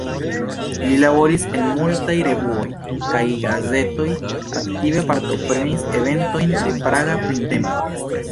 Li laboris en multaj revuoj kaj gazetoj, aktive partoprenis eventojn de Praga Printempo.